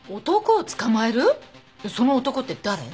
その男って誰？